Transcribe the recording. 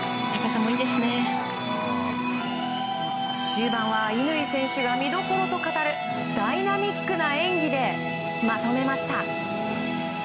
終盤は乾選手が見どころと語るダイナミックな演技でまとめました。